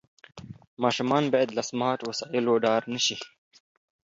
ماشومان باید له سمارټ وسایلو ډار نه سي.